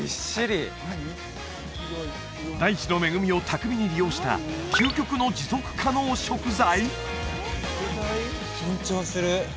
大地の恵みを巧みに利用した究極の持続可能食材！？